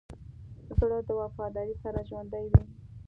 زړه د وفادارۍ سره ژوندی وي.